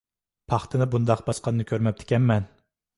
پاختىنى بۇنداق باسقاننى كۆرمەپتىكەنمەن.